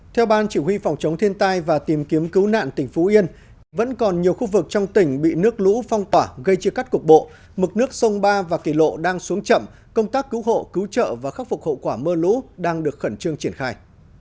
theo ban chỉ huy phòng chống thiên tai và tìm kiếm cứu nạn tỉnh phú yên vẫn còn nhiều khu vực trong tỉnh bị nước lũ phong tỏa gây chia cắt cục bộ mực nước sông ba và kỳ lộ đang xuống chậm công tác cứu hộ cứu trợ và khắc phục hậu quả mưa lũ đang được khẩn trương triển khai